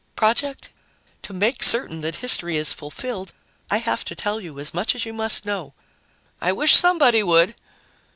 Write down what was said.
"Project?" "To make certain that history is fulfilled, I have to tell you as much as you must know." "I wish somebody would!"